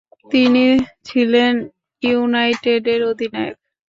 তিনি ছিলেন ইউনাইটেডের অধিনায়ক।